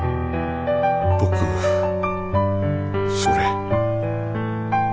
僕それ。